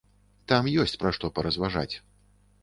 Там ёсць пра што паразважаць.